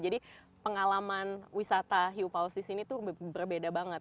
jadi pengalaman wisata hiupaus di sini tuh berbeda banget